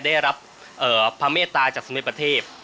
ได้รับพระเมตตาจากสมเด็จประเทศ